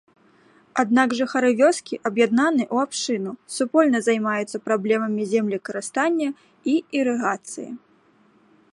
Аднак жыхары вёскі аб'яднаны ў абшчыну, супольна займаюцца праблемамі землекарыстання і ірыгацыі.